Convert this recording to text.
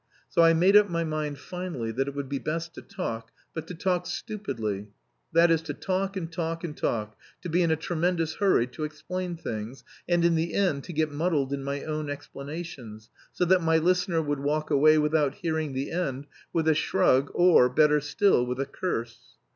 So I made up my mind finally that it would be best to talk, but to talk stupidly that is, to talk and talk and talk to be in a tremendous hurry to explain things, and in the end to get muddled in my own explanations, so that my listener would walk away without hearing the end, with a shrug, or, better still, with a curse.